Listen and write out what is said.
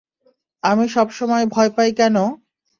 আমি সবসময় ভয় পাই কেন?